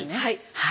はい。